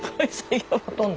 ほとんど。